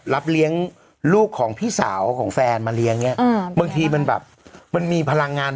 รับเลี้ยงลูกของพี่สาวของแฟนมาเลี้ยงเนี้ยอืมบางทีมันแบบมันมีพลังงาน